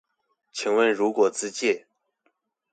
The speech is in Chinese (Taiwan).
請問如果自介